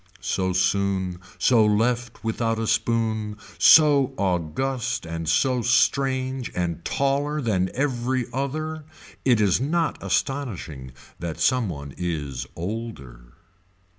So soon, so left without a spoon, so august and so strange and taller than every other, it is not astonishing that some one is older.